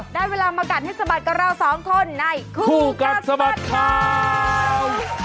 ได้เวลามากัดให้สะบัดกับเราสองคนในคู่กัดสะบัดข่าว